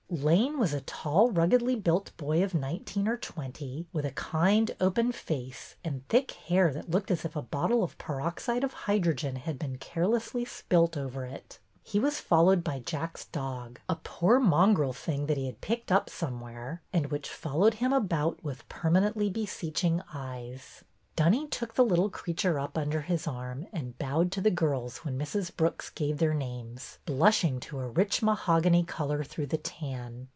Lane was a tall, ruggedly built boy of nine teen or twenty, with a kind, open face and thick hair that looked as if a bottle of peroxide of hydrogen had been carelessly spilt over it. He was followed by Jack's dog, — a poor mongrel thing that he had picked up somewhere, and which followed him about with permanently be seeching eyes. 230 BETTY BAIRD'S VENTURES Dunny took the little creature up under his arm and bowed to the girls when Mrs. Brooks gave their names, blushing to a rich mahogany color through the tan.